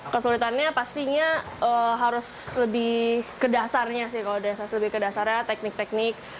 kesulitannya pastinya harus lebih ke dasarnya sih kalau lebih ke dasarnya teknik teknik